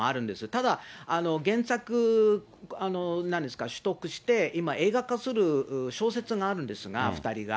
ただ、原作、今、取得して、今、映画化する小説があるんですが、２人が。